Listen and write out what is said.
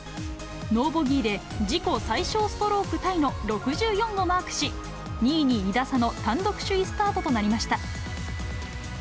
ノーボギーで自己最少ストロークタイの６４をマークし、２位に２打差の単独首位スタートとなりました。